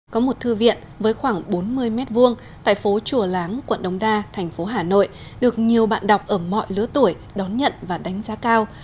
có một thư viện với khoảng bốn mươi m hai tại phố chùa láng quận đông đa thành phố hà nội được nhiều bạn đọc ở mọi lứa tuổi đón nhận và đánh giá cao